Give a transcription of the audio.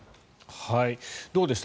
どうでした？